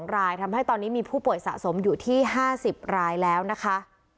รายทำให้ตอนนี้มีผู้ป่วยสะสมอยู่ที่๕๐รายแล้วนะคะ